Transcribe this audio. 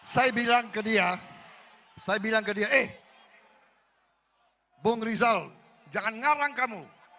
saya bilang ke dia saya bilang ke dia eh bung rizal jangan ngarang kamu